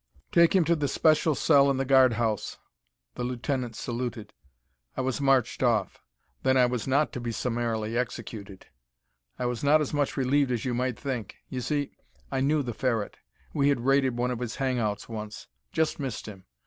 "Take him to the special cell in the guard house." The lieutenant saluted. I was marched off. Then I was not to be summarily executed. I was not as much relieved as you might think. You see, I knew the Ferret. We had raided one of his hangouts once; just missed him.